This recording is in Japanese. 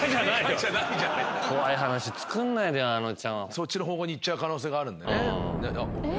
そっちの方向に行っちゃう可能性があるんでね。